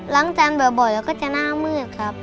จานบ่อยแล้วก็จะหน้ามืดครับ